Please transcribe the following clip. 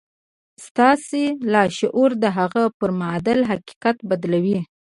ستاسې لاشعور د هغه پر معادل حقيقت بدلوي.